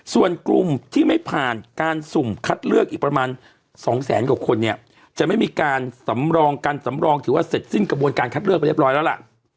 ส่วนกลุ่มที่ไม่ผ่านการสุ่มคัดเลือกอีกประมาณ๒แสนกว่าคนเนี่ยจะไม่มีการสำรองกันสำรองถือว่าเสร็จสิ้นกระบวนการคัดเลือกไปเรียบร้อยแล้วล่ะ